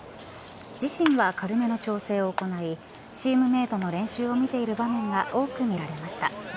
自身は軽めの調整を行いチームメートの練習を見ている場面が多く見られました。